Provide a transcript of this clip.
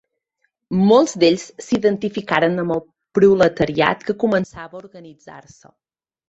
Molts d'ells s'identificaren amb el proletariat que començava a organitzar-se.